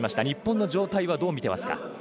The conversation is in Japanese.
日本の状態はどう見てますか？